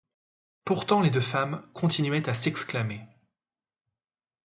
Pourtant les deux femmes continuaient à s'exclamer.